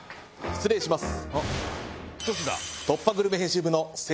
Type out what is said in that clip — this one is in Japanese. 失礼します。